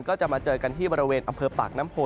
ก็จะมาเจอกันที่บริเวณอำเภอปากน้ำโพ